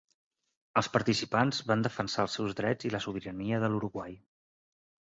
Els participants van defensar els seus drets i la sobirania de l'Uruguai.